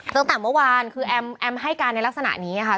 ตั้งแต่เมื่อวานคือแอมแอมให้การในลักษณะนี้ค่ะ